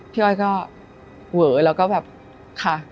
อ้อยก็เวอแล้วก็แบบค่ะ